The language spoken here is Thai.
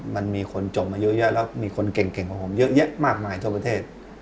มันมีคนจบมาเยอะแยะแล้วมีคนเก่งกว่าผมเยอะแยะมากมายทั่วประเทศ